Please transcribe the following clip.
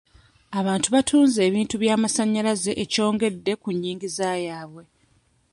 Abantu batunze ebintu by'amasannyalaze ekyongedde ku nnyingiza yaabwe.